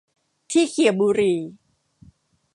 ที่เขี่ยบุหรี่